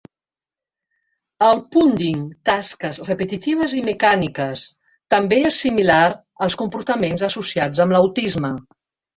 El "punding" (tasques repetitives i mecàniques) també és similar als comportaments associats amb l'autisme.